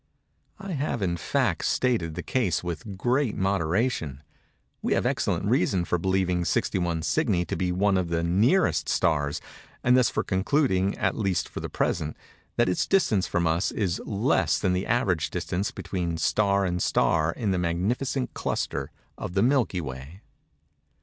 I have, in fact, stated the case with great moderation:—we have excellent reason for believing 61 Cygni to be one of the nearest stars, and thus for concluding, at least for the present, that its distance from us is less than the average distance between star and star in the magnificent cluster of the Milky Way.